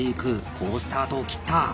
好スタートを切った！